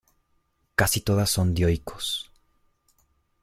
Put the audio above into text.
Casi todas son dioicos.